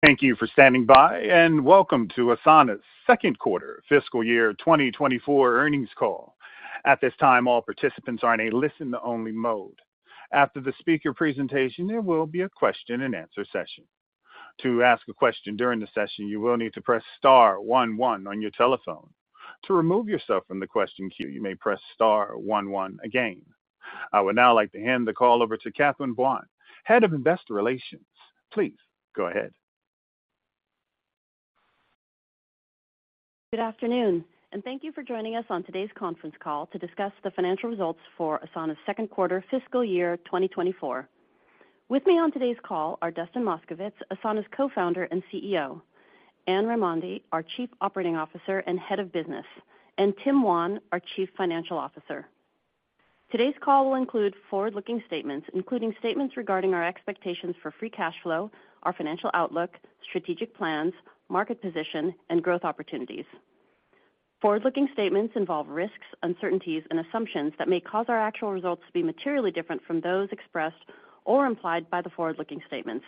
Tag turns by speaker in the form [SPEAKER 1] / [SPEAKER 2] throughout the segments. [SPEAKER 1] Thank you for standing by, and welcome to Asana's second quarter fiscal year 2024 earnings call. At this time, all participants are in a listen-only mode. After the speaker presentation, there will be a question-and-answer session. To ask a question during the session, you will need to press star one one on your telephone. To remove yourself from the question queue, you may press star one one again. I would now like to hand the call over to Catherine Buan, Head of Investor Relations. Please go ahead.
[SPEAKER 2] Good afternoon, and thank you for joining us on today's conference call to discuss the financial results for Asana's second quarter fiscal year 2024. With me on today's call are Dustin Moskovitz, Asana's Co-founder and CEO, Anne Raimondi, our Chief Operating Officer and Head of Business, and Tim Wan, our Chief Financial Officer. Today's call will include forward-looking statements, including statements regarding our expectations for free cash flow, our financial outlook, strategic plans, market position, and growth opportunities. Forward-looking statements involve risks, uncertainties, and assumptions that may cause our actual results to be materially different from those expressed or implied by the forward-looking statements.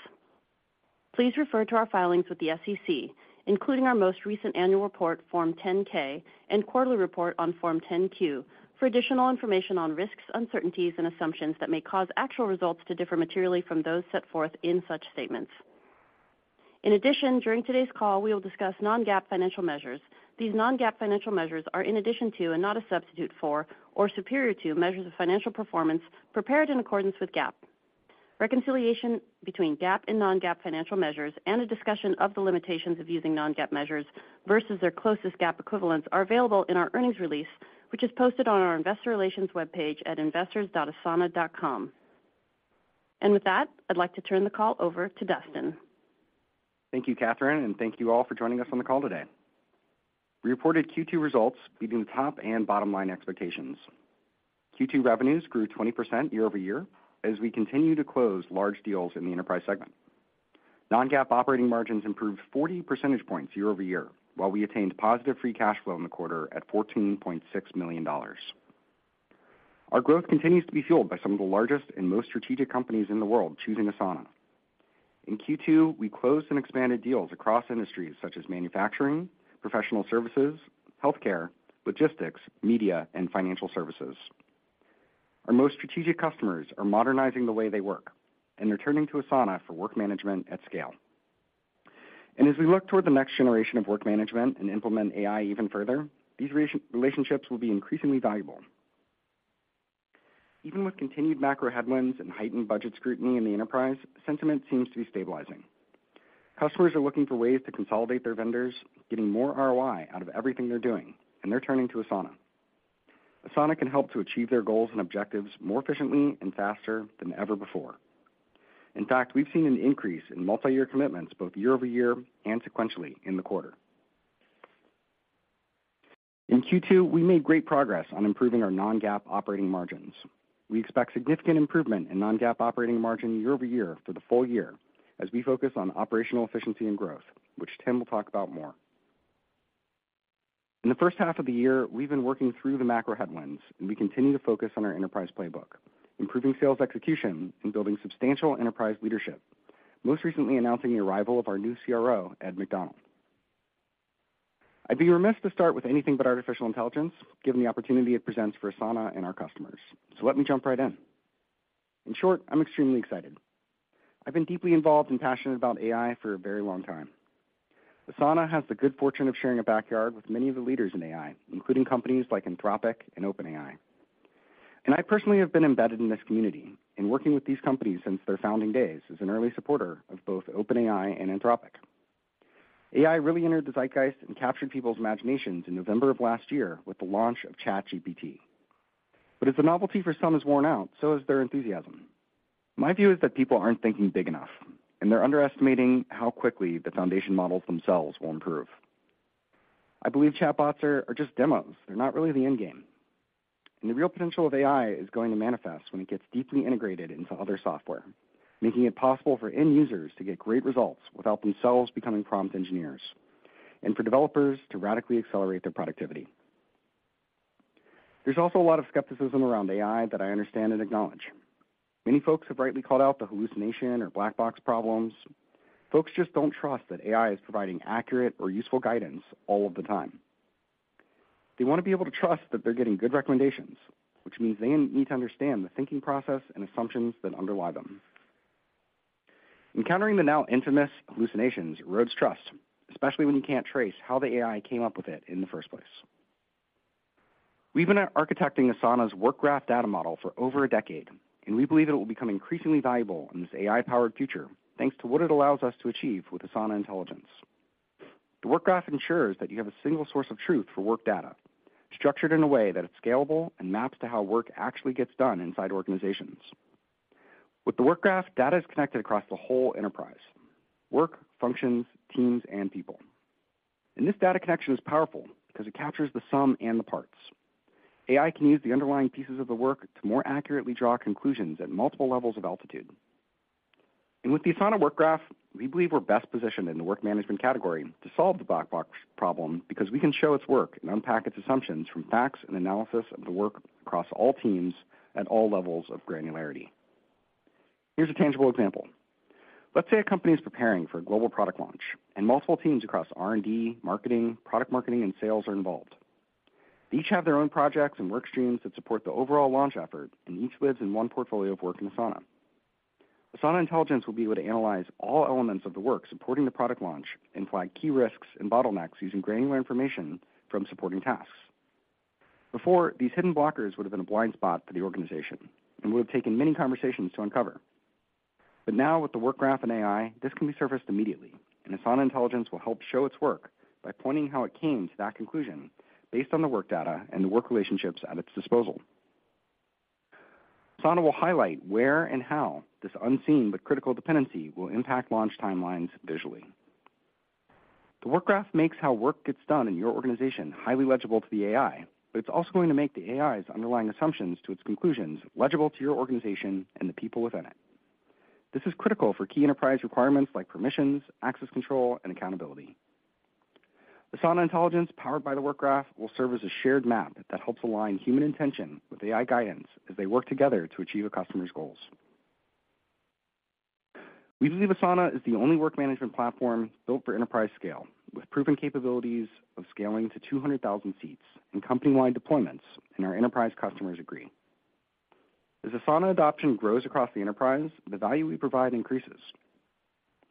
[SPEAKER 2] Please refer to our filings with the SEC, including our most recent annual report, Form 10-K, and quarterly report on Form 10-Q, for additional information on risks, uncertainties, and assumptions that may cause actual results to differ materially from those set forth in such statements. In addition, during today's call, we will discuss non-GAAP financial measures. These non-GAAP financial measures are in addition to, and not a substitute for, or superior to, measures of financial performance prepared in accordance with GAAP. Reconciliation between GAAP and non-GAAP financial measures and a discussion of the limitations of using non-GAAP measures versus their closest GAAP equivalents are available in our earnings release, which is posted on our investor relations webpage at investors.asana.com. With that, I'd like to turn the call over to Dustin.
[SPEAKER 3] Thank you, Catherine, and thank you all for joining us on the call today. We reported Q2 results beating top and bottom-line expectations. Q2 revenues grew 20% year-over-year as we continue to close large deals in the enterprise segment. Non-GAAP operating margins improved 40 percentage points year-over-year, while we attained positive free cash flow in the quarter at $14.6 million. Our growth continues to be fueled by some of the largest and most strategic companies in the world choosing Asana. In Q2, we closed and expanded deals across industries such as manufacturing, professional services, healthcare, logistics, media, and financial services. Our most strategic customers are modernizing the way they work and are turning to Asana for work management at scale. As we look toward the next generation of work management and implement AI even further, these relationships will be increasingly valuable. Even with continued macro headwinds and heightened budget scrutiny in the enterprise, sentiment seems to be stabilizing. Customers are looking for ways to consolidate their vendors, getting more ROI out of everything they're doing, and they're turning to Asana. Asana can help to achieve their goals and objectives more efficiently and faster than ever before. In fact, we've seen an increase in multi-year commitments both year-over-year and sequentially in the quarter. In Q2, we made great progress on improving our non-GAAP operating margins. We expect significant improvement in non-GAAP operating margin year-over-year for the full year as we focus on operational efficiency and growth, which Tim will talk about more. In the first half of the year, we've been working through the macro headwinds, and we continue to focus on our enterprise playbook, improving sales execution and building substantial enterprise leadership, most recently announcing the arrival of our new CRO, Ed McDonnell. I'd be remiss to start with anything but artificial intelligence, given the opportunity it presents for Asana and our customers. So let me jump right in. In short, I'm extremely excited. I've been deeply involved and passionate about AI for a very long time. Asana has the good fortune of sharing a backyard with many of the leaders in AI, including companies like Anthropic and OpenAI. And I personally have been embedded in this community and working with these companies since their founding days as an early supporter of both OpenAI and Anthropic. AI really entered the zeitgeist and captured people's imaginations in November of last year with the launch of ChatGPT. But as the novelty for some has worn out, so has their enthusiasm. My view is that people aren't thinking big enough, and they're underestimating how quickly the foundation models themselves will improve. I believe chatbots are just demos. They're not really the end game, and the real potential of AI is going to manifest when it gets deeply integrated into other software, making it possible for end users to get great results without themselves becoming prompt engineers, and for developers to radically accelerate their productivity. There's also a lot of skepticism around AI that I understand and acknowledge. Many folks have rightly called out the hallucination or black box problems. Folks just don't trust that AI is providing accurate or useful guidance all of the time. They want to be able to trust that they're getting good recommendations, which means they need to understand the thinking process and assumptions that underlie them. Encountering the now infamous hallucinations erodes trust, especially when you can't trace how the AI came up with it in the first place. We've been architecting Asana's Work Graph data model for over a decade, and we believe it will become increasingly valuable in this AI-powered future, thanks to what it allows us to achieve with Asana Intelligence. The Work Graph ensures that you have a single source of truth for work data, structured in a way that it's scalable and maps to how work actually gets done inside organizations. With the Work Graph, data is connected across the whole enterprise, work, functions, teams, and people. And this data connection is powerful because it captures the sum and the parts. AI can use the underlying pieces of the work to more accurately draw conclusions at multiple levels of altitude. With the Asana Work Graph, we believe we're best positioned in the work management category to solve the black box problem, because we can show its work and unpack its assumptions from facts and analysis of the work across all teams at all levels of granularity. Here's a tangible example. Let's say a company is preparing for a global product launch, and multiple teams across R&D, marketing, product marketing, and sales are involved. They each have their own projects and work streams that support the overall launch effort, and each lives in one portfolio of work in Asana. Asana Intelligence will be able to analyze all elements of the work supporting the product launch and flag key risks and bottlenecks using granular information from supporting tasks. Before, these hidden blockers would have been a blind spot for the organization and would have taken many conversations to uncover. But now, with the Work Graph and AI, this can be surfaced immediately, and Asana Intelligence will help show its work by pointing how it came to that conclusion based on the work data and the work relationships at its disposal. Asana will highlight where and how this unseen but critical dependency will impact launch timelines visually. The Work Graph makes how work gets done in your organization highly legible to the AI, but it's also going to make the AI's underlying assumptions to its conclusions legible to your organization and the people within it. This is critical for key enterprise requirements like permissions, access control, and accountability. Asana Intelligence, powered by the Work Graph, will serve as a shared map that helps align human intention with AI guidance as they work together to achieve a customer's goals. We believe Asana is the only work management platform built for enterprise scale, with proven capabilities of scaling to 200,000 seats and company-wide deployments, and our enterprise customers agree. As Asana adoption grows across the enterprise, the value we provide increases,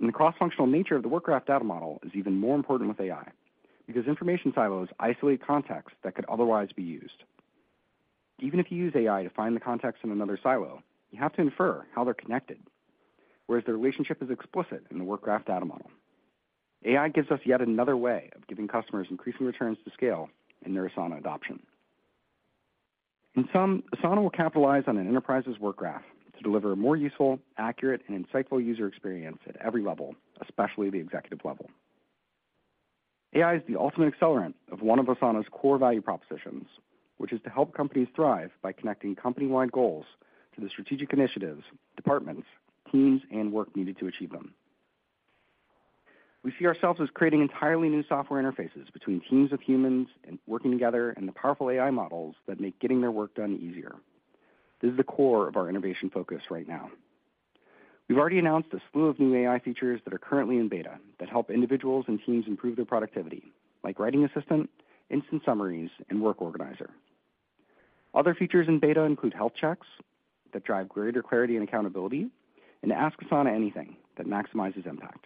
[SPEAKER 3] and the cross-functional nature of the Work Graph data model is even more important with AI, because information silos isolate contacts that could otherwise be used. Even if you use AI to find the contacts in another silo, you have to infer how they're connected, whereas the relationship is explicit in the Work Graph data model. AI gives us yet another way of giving customers increasing returns to scale in their Asana adoption. In sum, Asana will capitalize on an enterprise's Work Graph to deliver a more useful, accurate, and insightful user experience at every level, especially the executive level. AI is the ultimate accelerant of one of Asana's core value propositions, which is to help companies thrive by connecting company-wide goals to the strategic initiatives, departments, teams, and work needed to achieve them. We see ourselves as creating entirely new software interfaces between teams of humans and working together, and the powerful AI models that make getting their work done easier. This is the core of our innovation focus right now. We've already announced a slew of new AI features that are currently in beta, that help individuals and teams improve their productivity, like Writing Assistant, Instant Summaries, and Work Organizer. Other features in beta include Health Checks, that drive greater clarity and accountability, and Ask Asana Anything, that maximizes impact.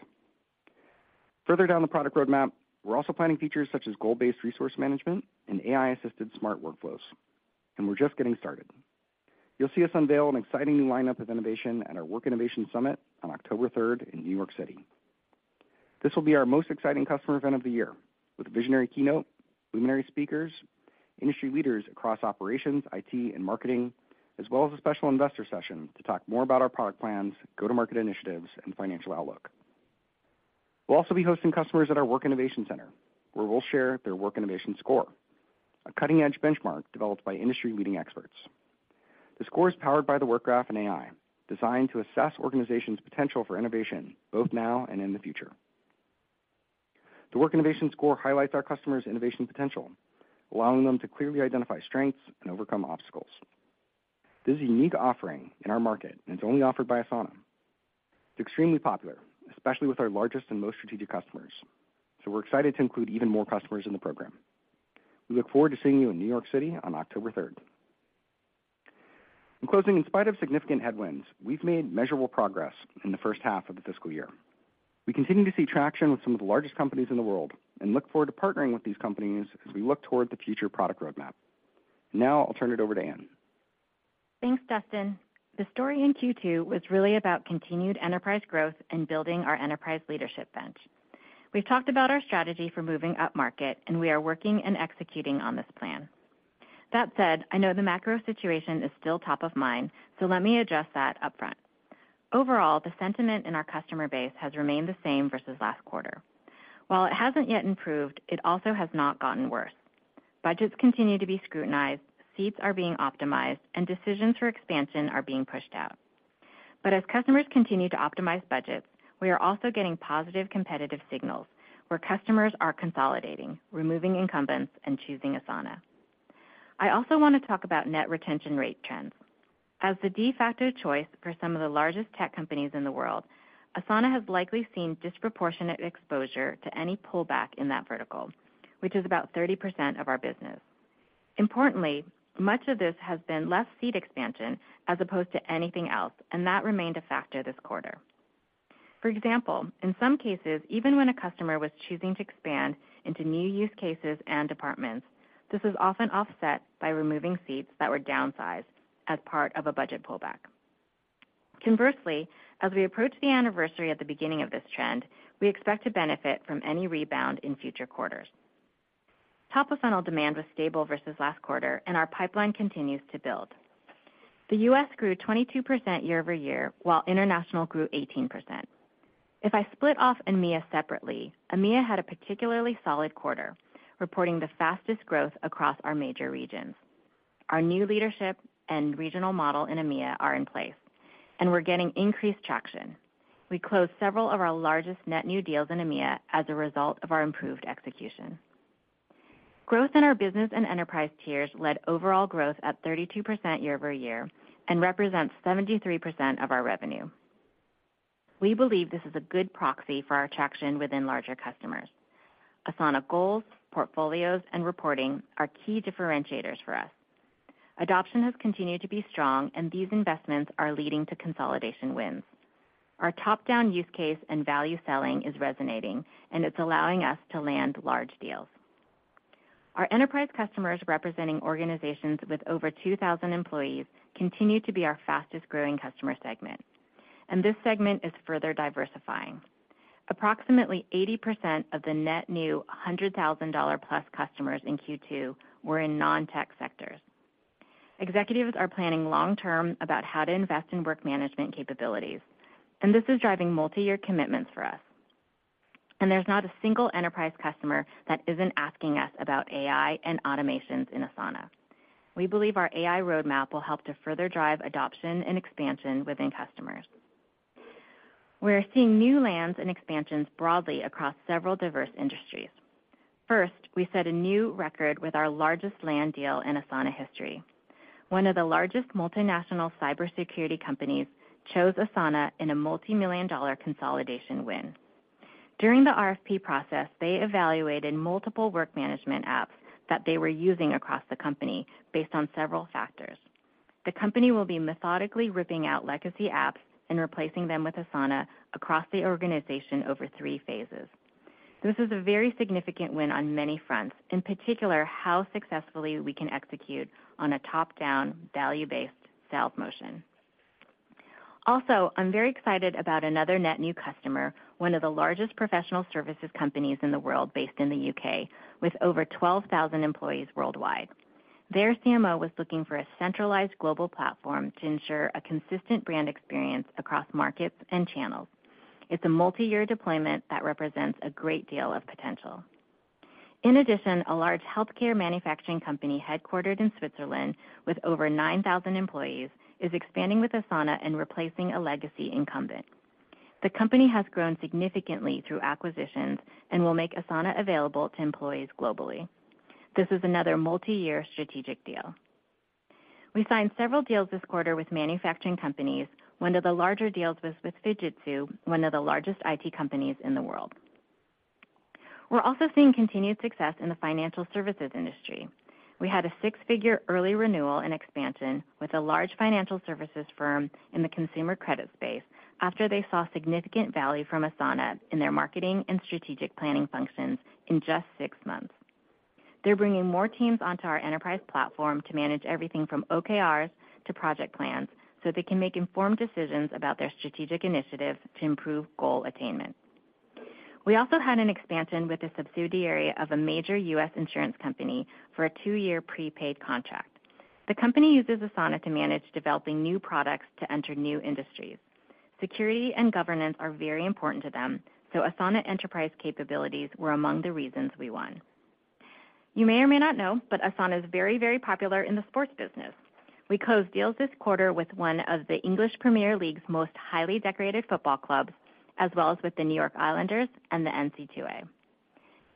[SPEAKER 3] Further down the product roadmap, we're also planning features such as goal-based resource management and AI-assisted smart workflows, and we're just getting started. You'll see us unveil an exciting new lineup of innovation at our Work Innovation Summit on October third in New York City. This will be our most exciting customer event of the year, with a visionary keynote, luminary speakers, industry leaders across operations, IT, and marketing, as well as a special investor session to talk more about our product plans, go-to-market initiatives, and financial outlook. We'll also be hosting customers at our Work Innovation Center, where we'll share their Work Innovation Score, a cutting-edge benchmark developed by industry-leading experts. The score is powered by the Work Graph and AI, designed to assess organizations' potential for innovation, both now and in the future. The Work Innovation Score highlights our customers' innovation potential, allowing them to clearly identify strengths and overcome obstacles. This is a unique offering in our market, and it's only offered by Asana. It's extremely popular, especially with our largest and most strategic customers, so we're excited to include even more customers in the program. We look forward to seeing you in New York City on October third. In closing, in spite of significant headwinds, we've made measurable progress in the first half of the fiscal year. We continue to see traction with some of the largest companies in the world and look forward to partnering with these companies as we look toward the future product roadmap. Now I'll turn it over to Anne.
[SPEAKER 4] Thanks, Dustin. The story in Q2 was really about continued enterprise growth and building our enterprise leadership bench. We've talked about our strategy for moving upmarket, and we are working and executing on this plan. That said, I know the macro situation is still top of mind, so let me address that upfront. Overall, the sentiment in our customer base has remained the same versus last quarter. While it hasn't yet improved, it also has not gotten worse. Budgets continue to be scrutinized, seats are being optimized, and decisions for expansion are being pushed out. But as customers continue to optimize budgets, we are also getting positive competitive signals, where customers are consolidating, removing incumbents, and choosing Asana. I also want to talk about net retention rate trends. As the de facto choice for some of the largest tech companies in the world, Asana has likely seen disproportionate exposure to any pullback in that vertical, which is about 30% of our business. Importantly, much of this has been less seat expansion as opposed to anything else, and that remained a factor this quarter. For example, in some cases, even when a customer was choosing to expand into new use cases and departments, this was often offset by removing seats that were downsized as part of a budget pullback. Conversely, as we approach the anniversary at the beginning of this trend, we expect to benefit from any rebound in future quarters. Top-of-funnel demand was stable versus last quarter, and our pipeline continues to build. The US grew 22% year-over-year, while international grew 18%. If I split off EMEA separately, EMEA had a particularly solid quarter, reporting the fastest growth across our major regions. Our new leadership and regional model in EMEA are in place, and we're getting increased traction. We closed several of our largest net new deals in EMEA as a result of our improved execution. Growth in our business and enterprise tiers led overall growth at 32% year-over-year, and represents 73% of our revenue. We believe this is a good proxy for our traction within larger customers. Asana Goals, Portfolios, and reporting are key differentiators for us. Adoption has continued to be strong, and these investments are leading to consolidation wins. Our top-down use case and value selling is resonating, and it's allowing us to land large deals. Our enterprise customers, representing organizations with over 2,000 employees, continue to be our fastest-growing customer segment, and this segment is further diversifying. Approximately 80% of the net new $100,000-plus customers in Q2 were in non-tech sectors. Executives are planning long-term about how to invest in work management capabilities, and this is driving multi-year commitments for us. There's not a single enterprise customer that isn't asking us about AI and automations in Asana. We believe our AI roadmap will help to further drive adoption and expansion within customers. We're seeing new lands and expansions broadly across several diverse industries. First, we set a new record with our largest land deal in Asana history. One of the largest multinational cybersecurity companies chose Asana in a $multi-million-dollar consolidation win. During the RFP process, they evaluated multiple work management apps that they were using across the company based on several factors. The company will be methodically ripping out legacy apps and replacing them with Asana across the organization over three phases. This is a very significant win on many fronts, in particular, how successfully we can execute on a top-down, value-based sales motion. Also, I'm very excited about another net new customer, one of the largest professional services companies in the world, based in the U.K., with over 12,000 employees worldwide. Their CMO was looking for a centralized global platform to ensure a consistent brand experience across markets and channels. It's a multi-year deployment that represents a great deal of potential. In addition, a large healthcare manufacturing company, headquartered in Switzerland with over 9,000 employees, is expanding with Asana and replacing a legacy incumbent. The company has grown significantly through acquisitions and will make Asana available to employees globally. This is another multi-year strategic deal. We signed several deals this quarter with manufacturing companies. One of the larger deals was with Fujitsu, one of the largest IT companies in the world. We're also seeing continued success in the financial services industry. We had a six-figure early renewal and expansion with a large financial services firm in the consumer credit space after they saw significant value from Asana in their marketing and strategic planning functions in just six months. They're bringing more teams onto our enterprise platform to manage everything from OKRs to project plans, so they can make informed decisions about their strategic initiatives to improve goal attainment. We also had an expansion with a subsidiary of a major U.S. insurance company for a two-year prepaid contract. The company uses Asana to manage developing new products to enter new industries. Security and governance are very important to them, so Asana enterprise capabilities were among the reasons we won. You may or may not know, but Asana is very, very popular in the sports business. We closed deals this quarter with one of the English Premier League's most highly decorated football clubs, as well as with the New York Islanders and the NCAA.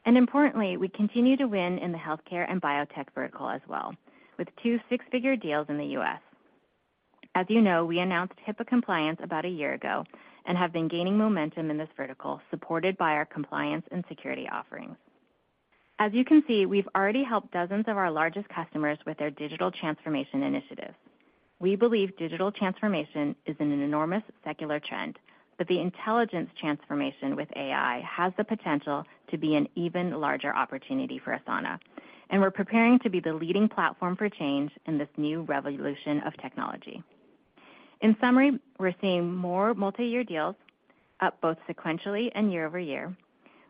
[SPEAKER 4] Importantly, we continue to win in the healthcare and biotech vertical as well, with two six-figure deals in the U.S. As you know, we announced HIPAA compliance about a year ago and have been gaining momentum in this vertical, supported by our compliance and security offerings. As you can see, we've already helped dozens of our largest customers with their digital transformation initiatives. We believe digital transformation is an enormous secular trend, but the intelligence transformation with AI has the potential to be an even larger opportunity for Asana, and we're preparing to be the leading platform for change in this new revolution of technology. In summary, we're seeing more multi-year deals, up both sequentially and year-over-year,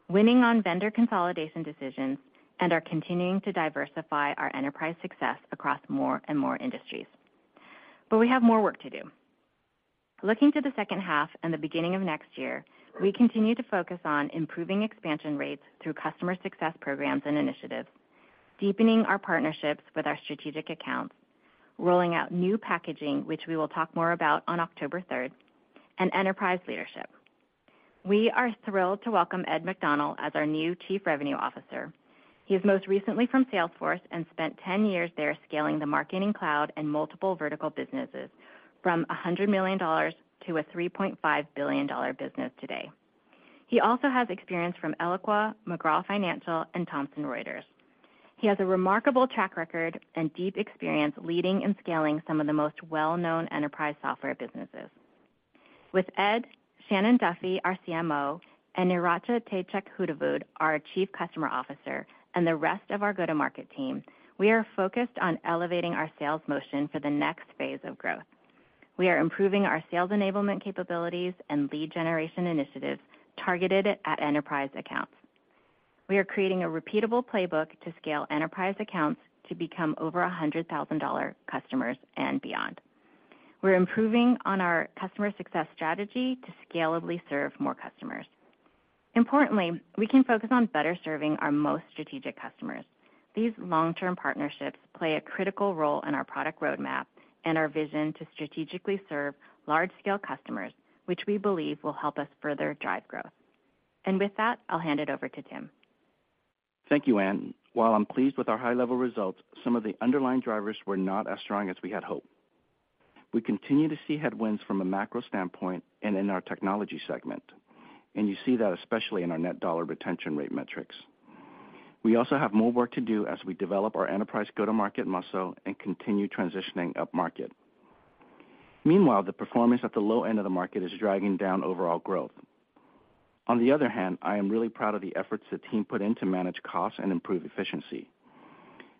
[SPEAKER 4] winning on vendor consolidation decisions, and are continuing to diversify our enterprise success across more and more industries. But we have more work to do. Looking to the second half and the beginning of next year, we continue to focus on improving expansion rates through customer success programs and initiatives, deepening our partnerships with our strategic accounts, rolling out new packaging, which we will talk more about on October third, and enterprise leadership. We are thrilled to welcome Ed McDonnell as our new Chief Revenue Officer. He is most recently from Salesforce and spent 10 years there scaling the Marketing Cloud and multiple vertical businesses from $100 million to a $3.5 billion business today. He also has experience from Eloqua, McGraw Financial, and Thomson Reuters. He has a remarkable track record and deep experience leading and scaling some of the most well-known enterprise software businesses. With Ed, Shannon Duffy, our CMO, and Neeracha Taychakhoonavudh, our Chief Customer Officer, and the rest of our go-to-market team, we are focused on elevating our sales motion for the next phase of growth. We are improving our sales enablement capabilities and lead generation initiatives targeted at enterprise accounts. We are creating a repeatable playbook to scale enterprise accounts to become over $100,000 customers and beyond. We're improving on our customer success strategy to scalably serve more customers. Importantly, we can focus on better serving our most strategic customers. These long-term partnerships play a critical role in our product roadmap and our vision to strategically serve large-scale customers, which we believe will help us further drive growth. With that, I'll hand it over to Tim....
[SPEAKER 5] Thank you, Anne. While I'm pleased with our high-level results, some of the underlying drivers were not as strong as we had hoped. We continue to see headwinds from a macro standpoint and in our technology segment, and you see that especially in our net dollar retention rate metrics. We also have more work to do as we develop our enterprise go-to-market muscle and continue transitioning upmarket. Meanwhile, the performance at the low end of the market is dragging down overall growth. On the other hand, I am really proud of the efforts the team put in to manage costs and improve efficiency.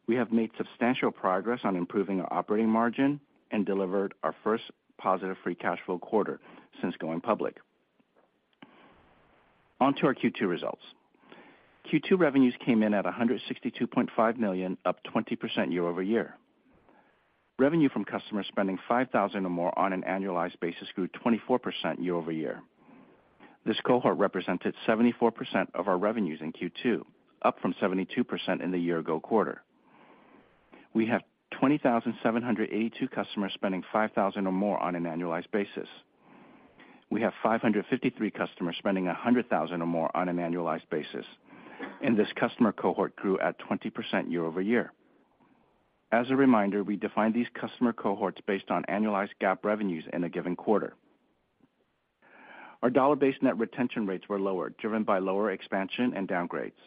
[SPEAKER 5] We have made substantial progress on improving our operating margin and delivered our first positive free cash flow quarter since going public. On to our Q2 results. Q2 revenues came in at $162.5 million, up 20% year-over-year. Revenue from customers spending $5,000 or more on an annualized basis grew 24% year-over-year. This cohort represented 74% of our revenues in Q2, up from 72% in the year-ago quarter. We have 20,782 customers spending $5,000 or more on an annualized basis. We have 553 customers spending $100,000 or more on an annualized basis, and this customer cohort grew at 20% year-over-year. As a reminder, we define these customer cohorts based on annualized GAAP revenues in a given quarter. Our dollar-based net retention rates were lower, driven by lower expansion and downgrades.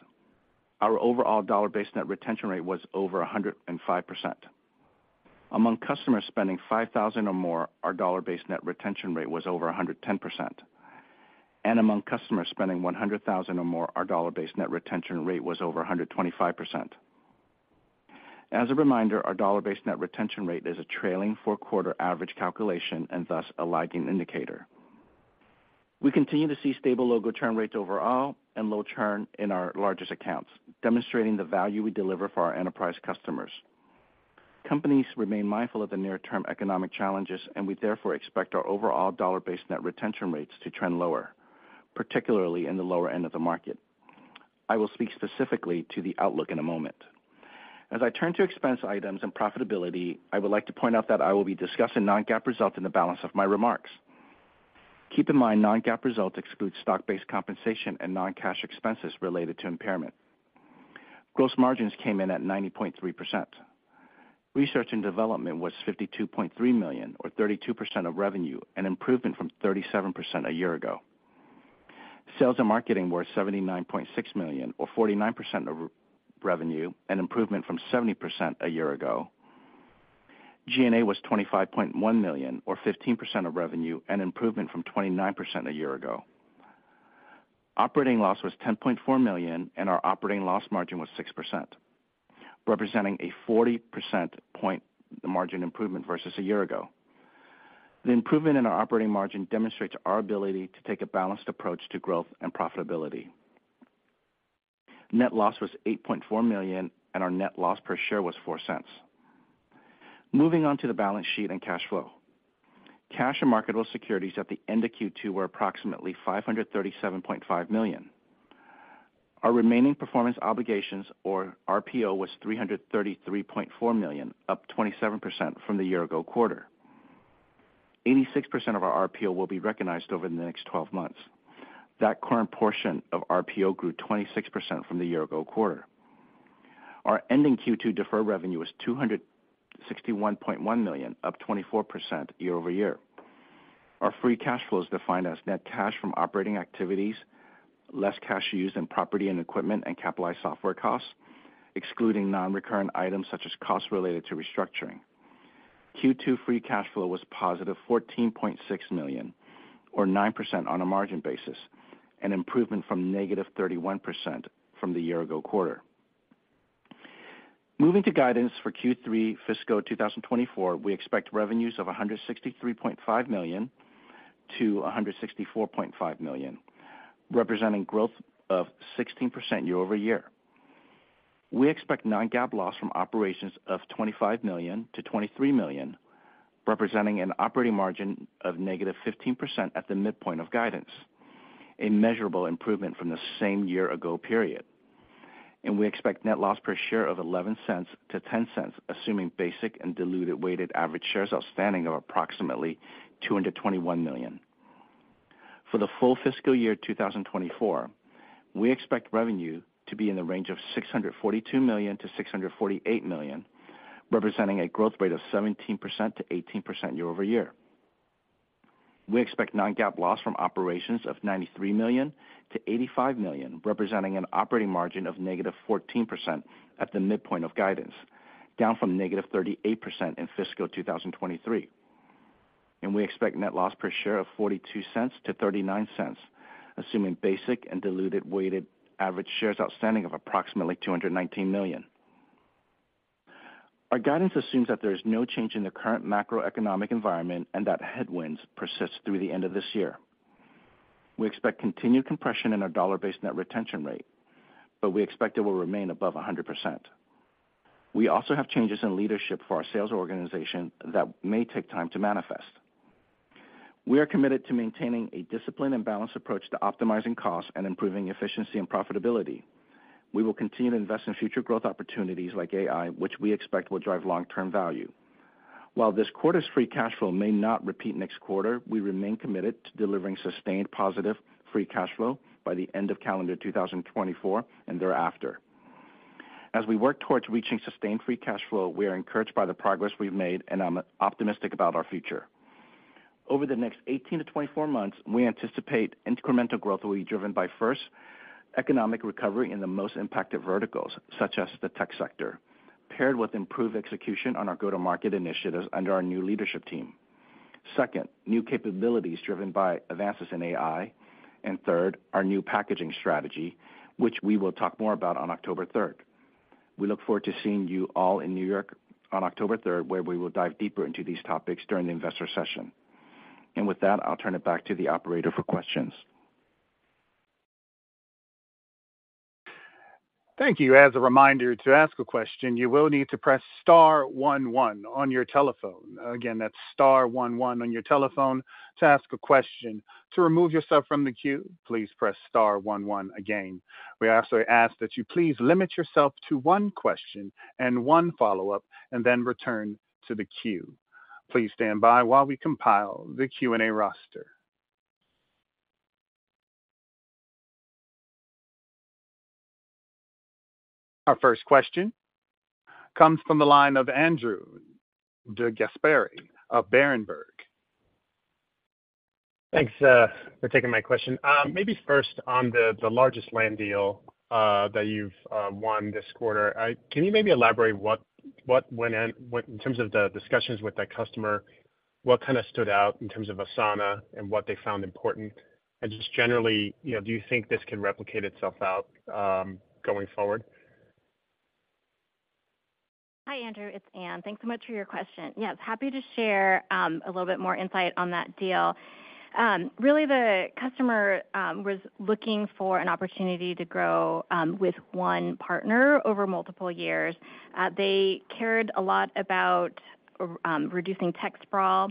[SPEAKER 5] Our overall dollar-based net retention rate was over 105%. Among customers spending $5,000 or more, our dollar-based net retention rate was over 110%, and among customers spending $100,000 or more, our dollar-based net retention rate was over 125%. As a reminder, our dollar-based net retention rate is a trailing four-quarter average calculation and thus a lagging indicator. We continue to see stable logo churn rates overall and low churn in our largest accounts, demonstrating the value we deliver for our enterprise customers. Companies remain mindful of the near-term economic challenges, and we therefore expect our overall dollar-based net retention rates to trend lower, particularly in the lower end of the market. I will speak specifically to the outlook in a moment. As I turn to expense items and profitability, I would like to point out that I will be discussing non-GAAP results in the balance of my remarks. Keep in mind, non-GAAP results exclude stock-based compensation and non-cash expenses related to impairment. Gross margins came in at 90.3%. Research and development was $52.3 million, or 32% of revenue, an improvement from 37% a year ago. Sales and marketing were $79.6 million, or 49% of revenue, an improvement from 70% a year ago. G&A was $25.1 million, or 15% of revenue, an improvement from 29% a year ago. Operating loss was $10.4 million, and our operating loss margin was 6%, representing a 40 percentage point margin improvement versus a year ago. The improvement in our operating margin demonstrates our ability to take a balanced approach to growth and profitability. Net loss was $8.4 million, and our net loss per share was $0.04. Moving on to the balance sheet and cash flow. Cash and marketable securities at the end of Q2 were approximately $537.5 million. Our remaining performance obligations, or RPO, was $333.4 million, up 27% from the year-ago quarter. 86% of our RPO will be recognized over the next twelve months. That current portion of RPO grew 26% from the year-ago quarter. Our ending Q2 deferred revenue was $261.1 million, up 24% year-over-year. Our free cash flow is defined as net cash from operating activities, less cash used in property and equipment and capitalized software costs, excluding non-recurrent items such as costs related to restructuring. Q2 free cash flow was positive $14.6 million, or 9% on a margin basis, an improvement from -31% from the year-ago quarter. Moving to guidance for Q3 fiscal 2024, we expect revenues of $163.5 million-$164.5 million, representing growth of 16% year-over-year. We expect non-GAAP loss from operations of $25 million-$23 million, representing an operating margin of -15% at the midpoint of guidance, a measurable improvement from the same year-ago period. We expect net loss per share of $0.11-$0.10, assuming basic and diluted weighted average shares outstanding of approximately 221 million. For the full fiscal year 2024, we expect revenue to be in the range of $642 million-$648 million, representing a growth rate of 17%-18% year-over-year. We expect non-GAAP loss from operations of $93 million-$85 million, representing an operating margin of -14% at the midpoint of guidance, down from -38% in fiscal 2023. We expect net loss per share of $0.42-$0.39, assuming basic and diluted weighted average shares outstanding of approximately 219 million. Our guidance assumes that there is no change in the current macroeconomic environment and that headwinds persist through the end of this year. We expect continued compression in our dollar-based net retention rate, but we expect it will remain above 100%. We also have changes in leadership for our sales organization that may take time to manifest. We are committed to maintaining a disciplined and balanced approach to optimizing costs and improving efficiency and profitability. We will continue to invest in future growth opportunities like AI, which we expect will drive long-term value. While this quarter's free cash flow may not repeat next quarter, we remain committed to delivering sustained positive free cash flow by the end of calendar 2024 and thereafter. As we work towards reaching sustained free cash flow, we are encouraged by the progress we've made, and I'm optimistic about our future. Over the next 18-24 months, we anticipate incremental growth will be driven by, first, economic recovery in the most impacted verticals, such as the tech sector, paired with improved execution on our go-to-market initiatives under our new leadership team. Second, new capabilities driven by advances in AI. And third, our new packaging strategy, which we will talk more about on October third. We look forward to seeing you all in New York on October third, where we will dive deeper into these topics during the investor session. And with that, I'll turn it back to the operator for questions.
[SPEAKER 1] Thank you. As a reminder, to ask a question, you will need to press star one one on your telephone. Again, that's star one one on your telephone to ask a question. To remove yourself from the queue, please press star one one again. We also ask that you please limit yourself to one question and one follow-up, and then return to the queue. Please stand by while we compile the Q&A roster. Our first question comes from the line of Andrew DeGasperi of Berenberg.
[SPEAKER 6] Thanks for taking my question. Maybe first on the largest land deal that you've won this quarter. Can you maybe elaborate what, what, when, and what—in terms of the discussions with that customer, what kind of stood out in terms of Asana and what they found important? And just generally, you know, do you think this can replicate itself out going forward?
[SPEAKER 4] Hi, Andrew, it's Anne. Thanks so much for your question. Yes, happy to share a little bit more insight on that deal. Really, the customer was looking for an opportunity to grow with one partner over multiple years. They cared a lot about reducing tech sprawl.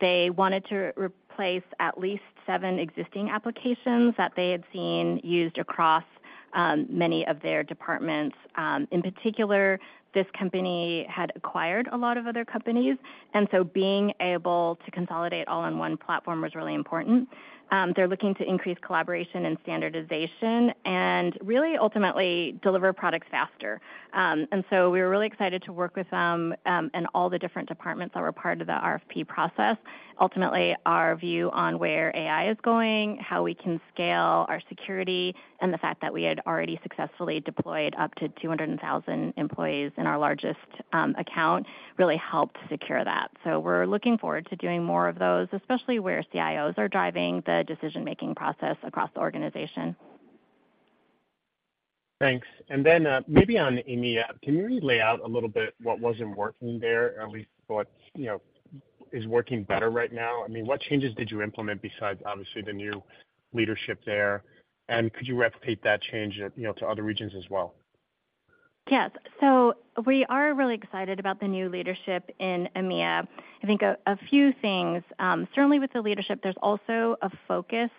[SPEAKER 4] They wanted to replace at least seven existing applications that they had seen used across many of their departments. In particular, this company had acquired a lot of other companies, and so being able to consolidate all in one platform was really important. They're looking to increase collaboration and standardization and really ultimately deliver products faster. And so we were really excited to work with them and all the different departments that were part of the RFP process. Ultimately, our view on where AI is going, how we can scale our security, and the fact that we had already successfully deployed up to 200,000 employees in our largest account, really helped secure that. So we're looking forward to doing more of those, especially where CIOs are driving the decision-making process across the organization.
[SPEAKER 6] Thanks. And then, maybe on EMEA, can you lay out a little bit what wasn't working there, or at least what, you know, is working better right now? I mean, what changes did you implement besides, obviously, the new leadership there? And could you replicate that change, you know, to other regions as well?
[SPEAKER 4] Yes. So we are really excited about the new leadership in EMEA. I think a few things. Certainly with the leadership, there's also a focus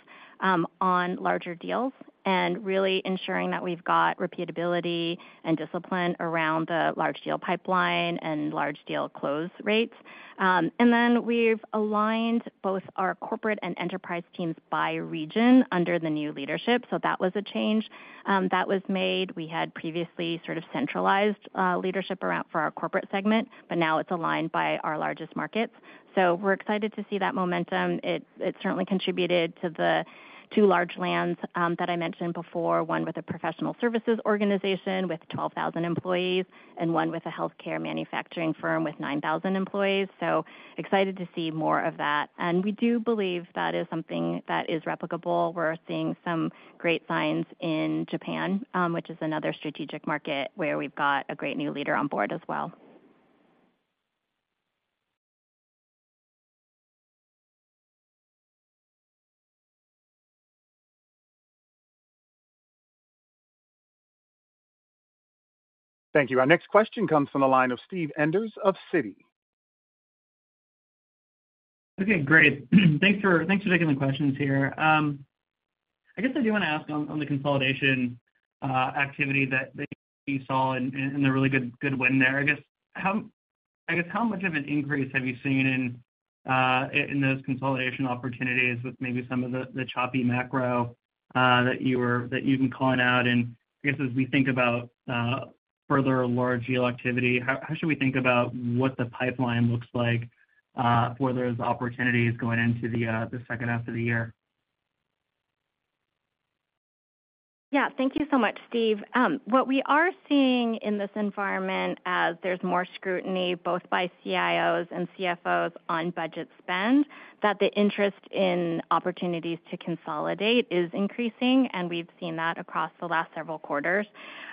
[SPEAKER 4] on larger deals and really ensuring that we've got repeatability and discipline around the large deal pipeline and large deal close rates. And then we've aligned both our corporate and enterprise teams by region under the new leadership. So that was a change that was made. We had previously sort of centralized leadership around for our corporate segment, but now it's aligned by our largest markets. So we're excited to see that momentum. It certainly contributed to the two large lands that I mentioned before, one with a professional services organization with 12,000 employees and one with a healthcare manufacturing firm with 9,000 employees. So excited to see more of that. We do believe that is something that is replicable. We're seeing some great signs in Japan, which is another strategic market where we've got a great new leader on board as well.
[SPEAKER 1] Thank you. Our next question comes from the line of Steve Enders of Citi.
[SPEAKER 7] Okay, great. Thanks for, thanks for taking the questions here. I guess I do want to ask on, on the consolidation activity that, that you saw and, and the really good, good win there. I guess, how, I guess, how much of an increase have you seen in, in those consolidation opportunities with maybe some of the, the choppy macro that you were, that you've been calling out? And I guess as we think about, further large deal activity, how, how should we think about what the pipeline looks like, for those opportunities going into the, the second half of the year?
[SPEAKER 4] Yeah. Thank you so much, Steve. What we are seeing in this environment as there's more scrutiny, both by CIOs and CFOs on budget spend, that the interest in opportunities to consolidate is increasing, and we've seen that across the last several quarters.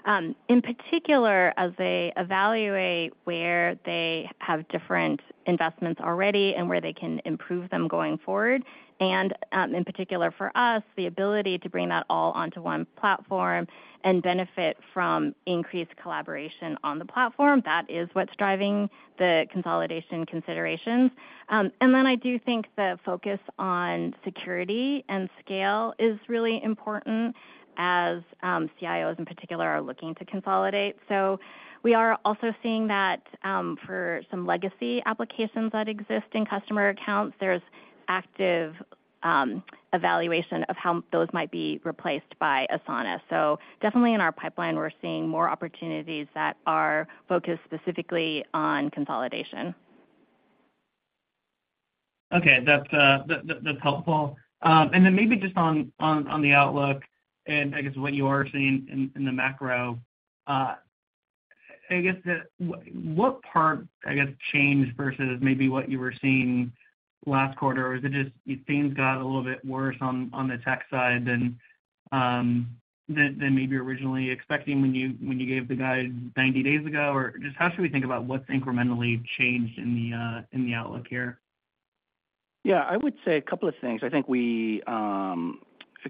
[SPEAKER 4] In particular, as they evaluate where they have different investments already and where they can improve them going forward, and, in particular for us, the ability to bring that all onto one platform and benefit from increased collaboration on the platform, that is what's driving the consolidation considerations. And then I do think the focus on security and scale is really important as, CIOs in particular are looking to consolidate. So we are also seeing that, for some legacy applications that exist in customer accounts, there's active, evaluation of how those might be replaced by Asana. Definitely in our pipeline, we're seeing more opportunities that are focused specifically on consolidation....
[SPEAKER 7] Okay, that's helpful. And then maybe just on the outlook, and I guess what you are seeing in the macro, I guess what part, I guess, changed versus maybe what you were seeing last quarter? Or is it just things got a little bit worse on the tech side than maybe originally expecting when you gave the guide 90 days ago? Or just how should we think about what's incrementally changed in the outlook here?
[SPEAKER 5] Yeah, I would say a couple of things. I think we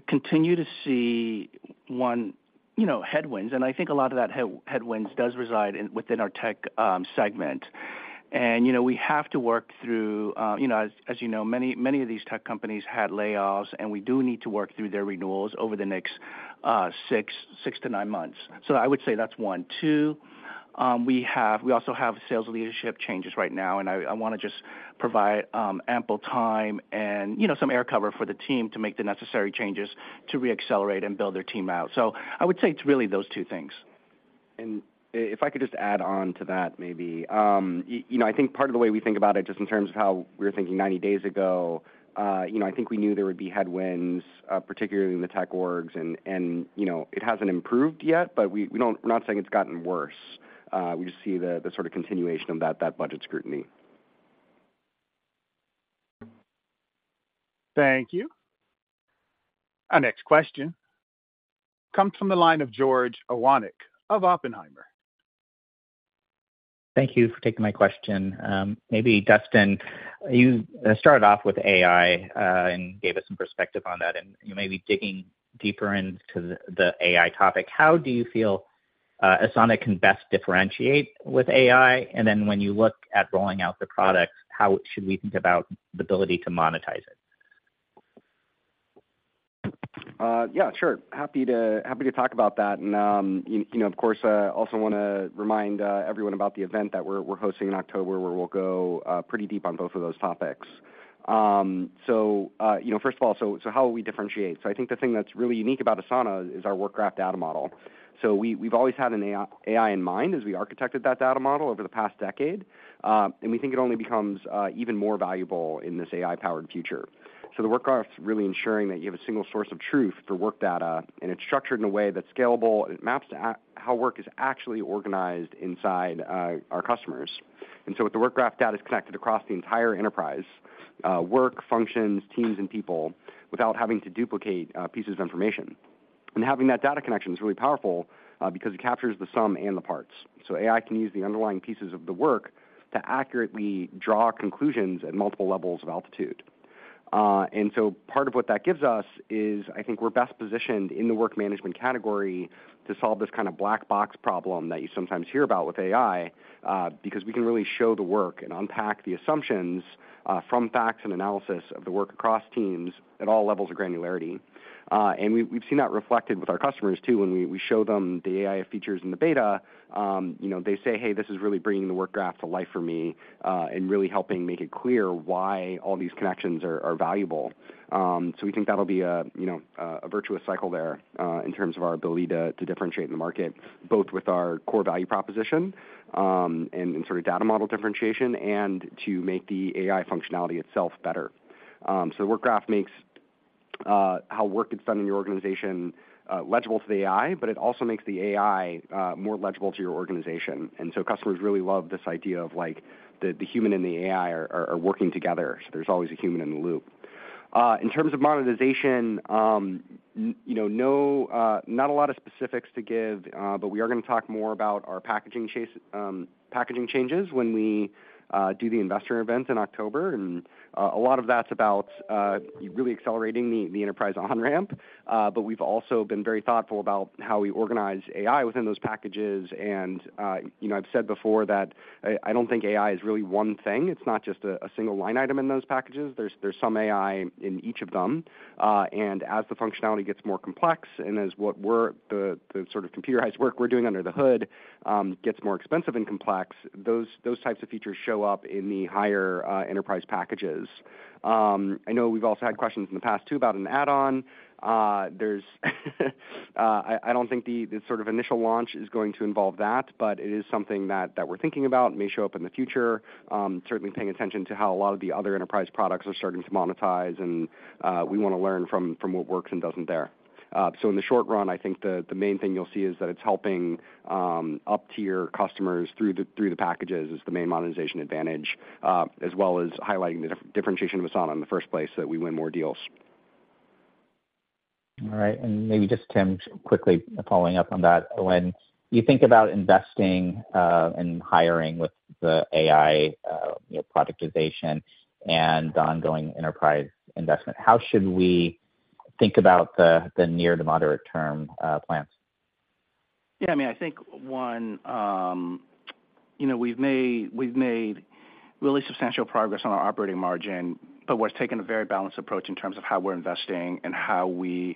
[SPEAKER 5] continue to see, one, you know, headwinds, and I think a lot of that headwinds does reside in, within our tech segment. And, you know, we have to work through, you know, as you know, many of these tech companies had layoffs, and we do need to work through their renewals over the next six to nine months. So I would say that's one. Two, we also have sales leadership changes right now, and I wanna just provide ample time and, you know, some air cover for the team to make the necessary changes to reaccelerate and build their team out. So I would say it's really those two things.
[SPEAKER 3] And if I could just add on to that, maybe. You know, I think part of the way we think about it, just in terms of how we were thinking 90 days ago, you know, I think we knew there would be headwinds, particularly in the tech orgs. And you know, it hasn't improved yet, but we don't— we're not saying it's gotten worse. We just see the sort of continuation of that budget scrutiny.
[SPEAKER 1] Thank you. Our next question comes from the line of George Iwanyc of Oppenheimer.
[SPEAKER 8] Thank you for taking my question. Maybe Dustin, you started off with AI and gave us some perspective on that, and, you know, maybe digging deeper into the AI topic, how do you feel Asana can best differentiate with AI? And then when you look at rolling out the products, how should we think about the ability to monetize it?
[SPEAKER 3] Yeah, sure. Happy to talk about that. And, you know, of course, I also wanna remind everyone about the event that we're hosting in October, where we'll go pretty deep on both of those topics. So, you know, first of all, so how will we differentiate? So I think the thing that's really unique about Asana is our Work Graph data model. So we, we've always had an AI in mind as we architected that data model over the past decade. And we think it only becomes even more valuable in this AI-powered future. So the Work Graph's really ensuring that you have a single source of truth for work data, and it's structured in a way that's scalable, and it maps to how work is actually organized inside our customers. And so with the Work Graph, data is connected across the entire enterprise, work, functions, teams, and people, without having to duplicate, pieces of information. And having that data connection is really powerful, because it captures the sum and the parts. So AI can use the underlying pieces of the work to accurately draw conclusions at multiple levels of altitude. And so part of what that gives us is, I think we're best positioned in the work management category to solve this kind of black box problem that you sometimes hear about with AI, because we can really show the work and unpack the assumptions, from facts and analysis of the work across teams at all levels of granularity. And we've seen that reflected with our customers, too. When we show them the AI features in the beta, you know, they say, "Hey, this is really bringing the Work Graph to life for me," and really helping make it clear why all these connections are valuable. So we think that'll be a, you know, a virtuous cycle there, in terms of our ability to differentiate in the market, both with our core value proposition, and in sort of data model differentiation, and to make the AI functionality itself better. So Work Graph makes how work gets done in your organization legible to the AI, but it also makes the AI more legible to your organization. And so customers really love this idea of, like, the human and the AI are working together, so there's always a human in the loop. In terms of monetization, you know, no, not a lot of specifics to give, but we are gonna talk more about our packaging changes when we do the investor event in October. And a lot of that's about really accelerating the enterprise on-ramp. But we've also been very thoughtful about how we organize AI within those packages. And you know, I've said before that I don't think AI is really one thing. It's not just a single line item in those packages. There's some AI in each of them. And as the functionality gets more complex, and as what we're the sort of computerized work we're doing under the hood gets more expensive and complex, those types of features show up in the higher enterprise packages. I know we've also had questions in the past, too, about an add-on. I don't think the sort of initial launch is going to involve that, but it is something that we're thinking about, may show up in the future. Certainly paying attention to how a lot of the other enterprise products are starting to monetize, and we wanna learn from what works and doesn't there. So in the short run, I think the main thing you'll see is that it's helping up-tier customers through the packages, is the main monetization advantage, as well as highlighting the differentiation of Asana in the first place, so that we win more deals.
[SPEAKER 8] All right. Maybe just, Tim, quickly following up on that. When you think about investing, and hiring with the AI, you know, productization and the ongoing enterprise investment, how should we think about the near to moderate term plans?
[SPEAKER 5] Yeah, I mean, I think, one, you know, we've made, we've made really substantial progress on our operating margin, but we're taking a very balanced approach in terms of how we're investing and how we're